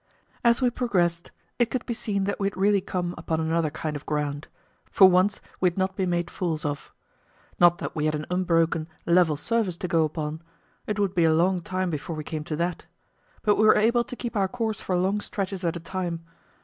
As we progressed, it could be seen that we had really come upon another kind of ground; for once we had not been made fools of. Not that we had an unbroken, level surface to go upon it would be a long time before we came to that but we were able to keep our course for long stretches at a time.